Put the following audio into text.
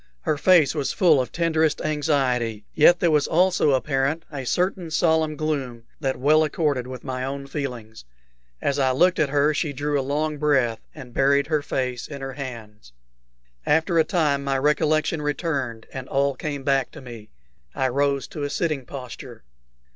Her face was full of tenderest anxiety, yet there was also apparent a certain solemn gloom that well accorded with my own feelings. As I looked at her she drew a long breath, and buried her face in her hands. After a time my recollection returned, and all came back to me. I rose to a sitting posture.